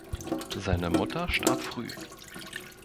Seine Mutter starb früh.